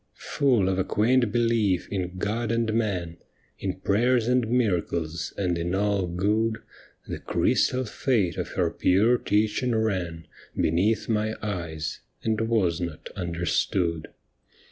Full of a quaint belief in God and man. In prayers and miracles, and in all good. The crystal fate of her pure teaching ran Beneath my eyes, and was not understood.